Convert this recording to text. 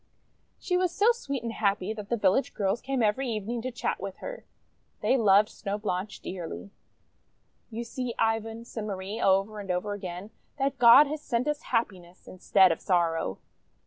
She was so sweet and happy that the village girls SNOW BLANCHE 299 came every evening to chat with her. They loved Snow Blanche dearly. "You see, Ivan," said Marie over and over again, "that God has sent us happiness instead of sorrow!''